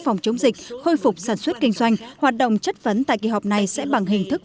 phòng chống dịch khôi phục sản xuất kinh doanh hoạt động chất vấn tại kỳ họp này sẽ bằng hình thức